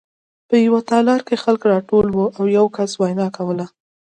په یوه تالار کې خلک راټول وو او یو کس وینا کوله